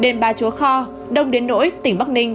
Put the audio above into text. đêm ba chúa kho đông đến nỗi tỉnh bắc ninh